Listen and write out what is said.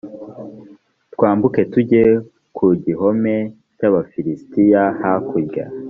twambuke tujye ku gihome cy abafilisitiya hakurya